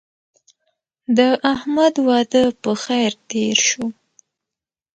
د احمد واده په خیر تېر شو.